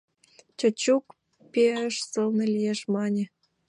Чачук «Пе-эш сылне лиеш» мане.